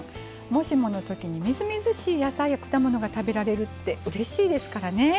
もしものときにみずみずしい野菜や果物が食べられるってうれしいですからね。